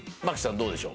どうでしょう？